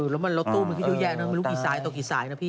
แล้วมันรถตู้มันคือเยอะแยะไม่รู้ตัวกี่สายนะพี่